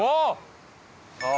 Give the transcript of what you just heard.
ああ